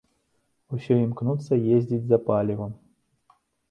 Усё імкнуцца ездзіць за палівам.